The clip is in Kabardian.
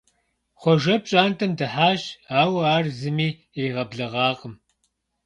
Хъуэжэ пщӀантӀэм дыхьащ, ауэ ар зыми иригъэблэгъакъым.